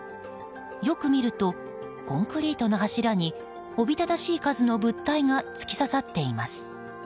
よく見ると、コンクリートの柱におびただしい数の物体が突き刺さっています。